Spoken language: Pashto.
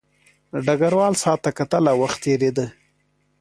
ډګروال ساعت ته کتل او وخت تېرېده